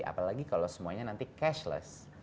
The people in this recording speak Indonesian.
apalagi kalau semuanya nanti cashless